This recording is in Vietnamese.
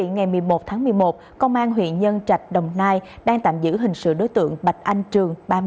ngày một mươi một tháng một mươi một công an huyện nhân trạch đồng nai đang tạm giữ hình sự đối tượng bạch anh trường